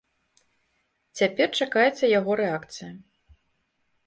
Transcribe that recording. Цяпер чакаецца яго рэакцыя.